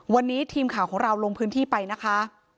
วันนี้ทีมข่าวของเราลงพื้นที่ไปนะคะ